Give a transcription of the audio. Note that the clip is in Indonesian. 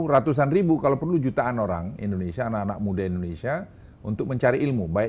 ratusan ribu kalau perlu jutaan orang indonesia anak anak muda indonesia untuk mencari ilmu baik